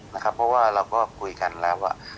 เพราะว่าแล้วก็คุยกันแล้ว